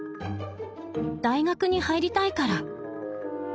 大学に入りたいから。